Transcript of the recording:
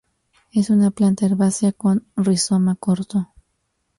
Es una planta herbácea con rizoma corto.